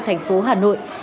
thành phố hà nội